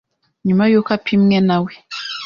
nyuma y’uko apimwe nawe.